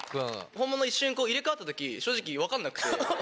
本物一瞬入れ替わった時正直分かんなくて。